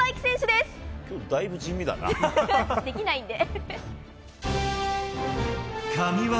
できないんで。